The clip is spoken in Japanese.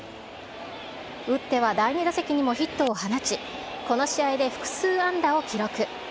打っては第２打席にもヒットを放ち、この試合で複数安打を記録。